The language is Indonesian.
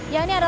ya ini adalah